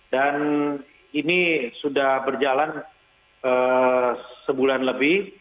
dan ini sudah berjalan sebulan lebih